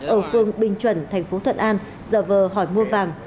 ở phương bình chuẩn thành phố thuận an giả vờ hỏi mua vàng